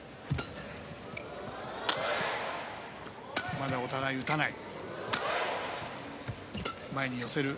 まだお互い打たない。